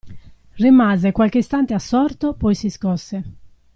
Rimase qualche istante assorto, poi si scosse.